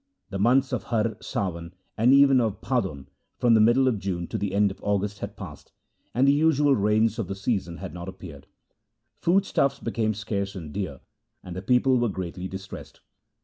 The months of Har, Sawan, and even half of Bhadon — from the middle of June to the end of August — had passed, and the usual rains of the season had not appeared. Food stuffs became scarce and dear, and the people were greatly distressed.